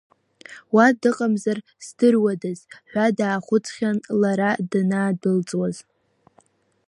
Уа дыҟамзар здыруадаз ҳәа даахәыцхьан, лара данаадәылҵуаз.